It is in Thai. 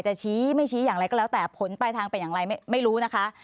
จะชี้ไม่ชี้อย่างไรก็แล้วแต่ผลปลายทางเป็นอย่างไรไม่รู้นะคะ